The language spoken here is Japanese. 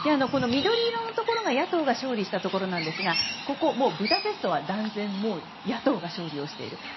緑色のところが野党が勝利したところですがここブダペストは断然、野党が勝利している。